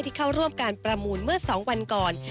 เข้าร่วมการประมูลเมื่อ๒วันก่อน